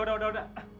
udah udah udah